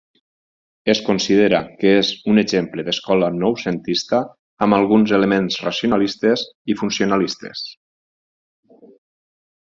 Es considera que és un exemple d'escola noucentista amb alguns elements racionalistes i funcionalistes.